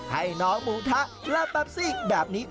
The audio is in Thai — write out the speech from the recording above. ให้น้องหมูทะลาแปปซี่แบบนี้